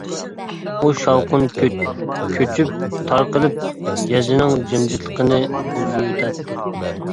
ئۇ شاۋقۇن كۆچۈپ، تارقىلىپ، يېزىنىڭ جىمجىتلىقىنى بۇزۇۋېتەتتى.